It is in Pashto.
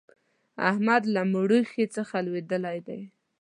احمد له مړوښې څخه لوېدلی دی.